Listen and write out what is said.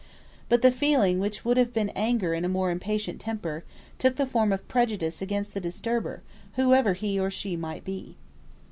But the feeling which would have been anger in a more impatient temper, took the form of prejudice against the disturber, whoever he or she might be.